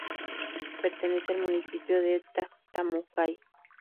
Pertenece al municipio de Tajtamukái.